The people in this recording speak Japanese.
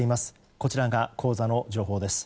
こちらが口座の情報です。